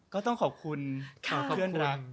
ก็ต้องขอบคุณเพื่อนรัก